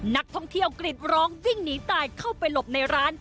นักท่องเที่ยวกรีดร้องวิ่งหนีตายเข้าไปหลบในร้าน